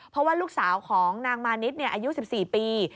เพราะว่าลูกสาวของนางมานิดอายุ๑๔ปี